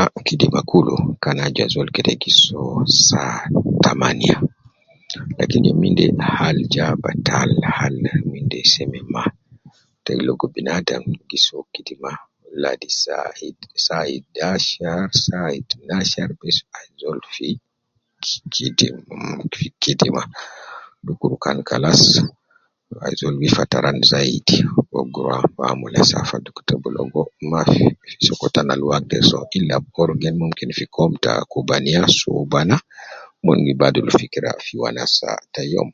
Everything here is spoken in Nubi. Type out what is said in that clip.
Ah fi kidima kulu, kan aju azol kede gi soo saa tamaniya, lakin youm inde hal ja batal, hal youm inde seme ma, te gi logo binadam gi soo kidima ladi saa id saa idashar, saa itnashar bes ajol fi kidima fi kidima dukur kan kalas ajol gi fataran zaidi ,uwo gi rua amula safa dukur te bi logo mafi sokol tan al uwo agder soo illa kor mon gen fi kobda me kubaniya sowbana mon gi badil fikira fi wanasa ta youm